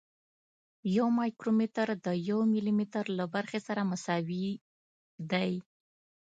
یو مایکرومتر د یو ملي متر له برخې سره مساوي دی.